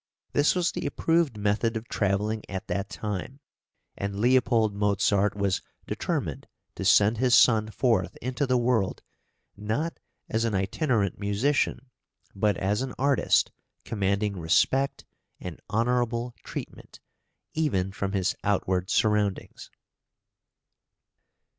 This was the approved method of travelling at that time, and Leopold Mozart was determined to send his son forth into the world, not as an itinerant musician, but as an artist commanding respect and honourable treatment, even from his outward surroundings.